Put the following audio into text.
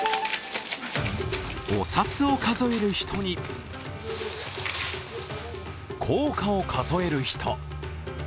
お札を数える人に硬貨を数える人。